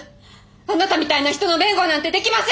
あなたみたいな人の弁護なんてできません！